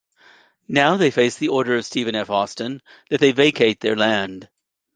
Now they face the order of Stephen F. Austin that they vacate their land.